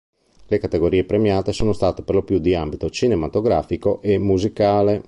Le categorie premiate sono state perlopiù di ambito cinematografico e musicale.